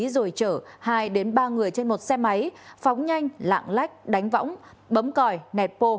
rồi chở hai ba người trên một xe máy phóng nhanh lạng lách đánh võng bấm còi nẹt pô